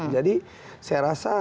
jadi saya rasa